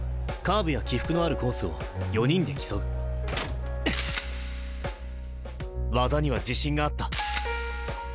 カーブや起伏のあるコースを４人で競う技には自信があった。